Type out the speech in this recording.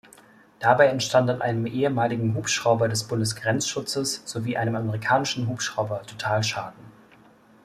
Dabei entstand an einem ehemaligen Hubschrauber des Bundesgrenzschutzes sowie einem amerikanischen Hubschrauber Totalschaden.